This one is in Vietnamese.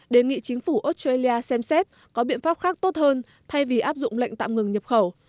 đề nghị chính phủ australia xem xét có biện pháp khác tốt hơn thay vì áp dụng lệnh tạm ngừng nhập khẩu